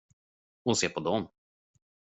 Och se på dem!